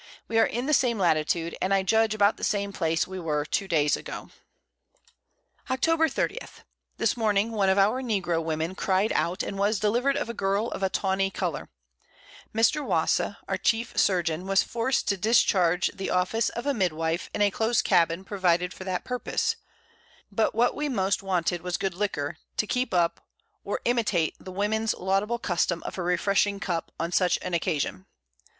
We are in the same Latitude, and I judge about the same Place we were 2 Days ago. Octob. 30. This Morning one of our Negro Women cry'd out, and was deliver'd of a Girl of a tawny Colour; Mr. Wasse our chief Surgeon was forced to discharge the Office of a Midwife in a close Cabbin provided for that Purpose; but what we most wanted was good Liquor, to keep up, or imitate the Womens laudable Custom of a refreshing Cup, on such an Occasion.